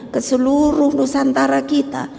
ke seluruh nusantara kita